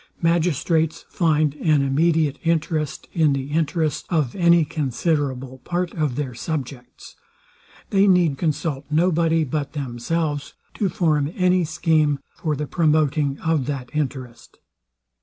Magistrates find an immediate interest in the interest of any considerable part of their subjects. They need consult no body but themselves to form any scheme for the promoting of that interest.